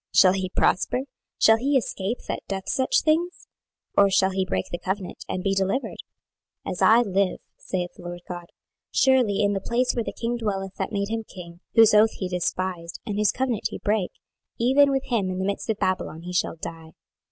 Shall he prosper? shall he escape that doeth such things? or shall he break the covenant, and be delivered? 26:017:016 As I live, saith the Lord GOD, surely in the place where the king dwelleth that made him king, whose oath he despised, and whose covenant he brake, even with him in the midst of Babylon he shall die.